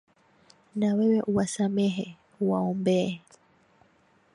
Na wewe uwasamehe, uwaombee.